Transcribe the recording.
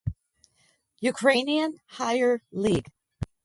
Ukrainian Higher League